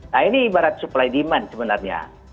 nah ini ibarat supply demand sebenarnya